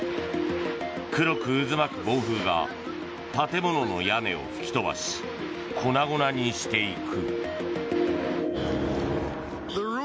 黒く渦巻く暴風が建物の屋根を吹き飛ばし粉々にしていく。